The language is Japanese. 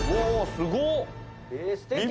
すごっ！